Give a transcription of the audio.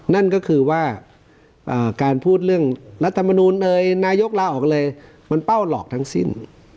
นั่นก็คือว่าการพูดเรื่องรัฐมนูลเอยนายกลาออกเลยมันเป้าหลอกทั้งสิ้น